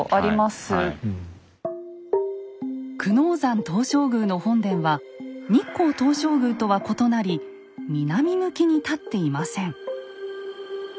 久能山東照宮の本殿は日光東照宮とは異なり南向きに建っていません。